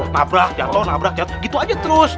nabrak jatuh nabrak jatuh gitu aja terus